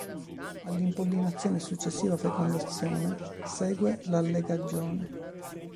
All'impollinazione e successiva fecondazione segue l'allegagione.